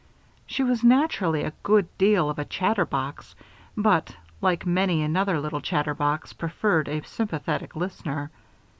She was naturally a good deal of a chatterbox; but, like many another little chatterbox, preferred a sympathetic listener.